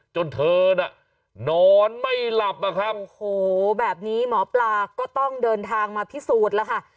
จนเธอน่ะนอนไม่หลับนะครับโอ้โหแบบนี้หมอปลาก็ต้องเดินทางมาพิสูจน์แล้วค่ะ